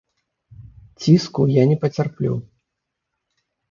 Ціску я не пацярплю.